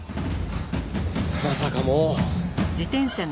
まさかもう。